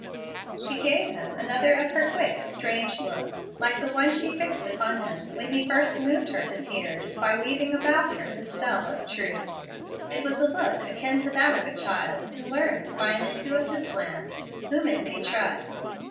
She gave him another of her quick, strange looks, like the one she fixed upon him when he first moved her to tears by weaving about her the 'spell of truth.' It was a look akin to that of a child who learns by an intuitive glance whom it may trust.